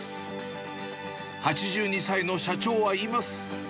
８２歳の社長は言います。